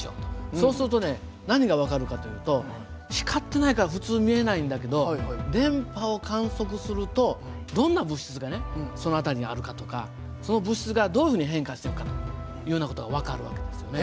そうするとね何が分かるかというと光ってないから普通見えないんだけど電波を観測するとどんな物質がその辺りにあるかとかその物質がどう変化していくかというような事が分かる訳ですよね。